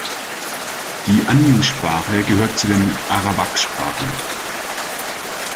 Die Añu-Sprache gehört zu den Arawak-Sprachen.